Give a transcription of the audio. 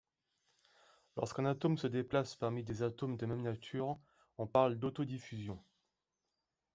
Lorsqu'un atome se déplace parmi des atomes de même nature, on parle d'autodiffusion.